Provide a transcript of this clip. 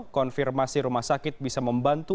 konfirmasi rumah sakit bisa membantu